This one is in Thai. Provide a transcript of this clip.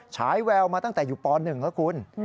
ฉายแววมาตั้งแต่อยู่ป๑แล้วคุณ